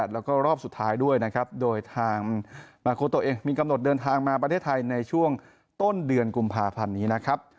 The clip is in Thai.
แล้วก็รอบสุดท้ายด้วยนะครับโดยทางมาโคโตเองมีกำหนดเดินทางมาประเทศไทยในช่วงต้นเดือนกุมภาพันธ์นี้นะครับ